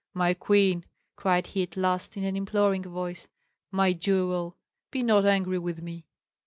"My queen!" cried he at last, in an imploring voice, "my jewel, be not angry with me!"